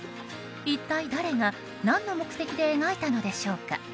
一体誰が、何の目的で描いたのでしょうか。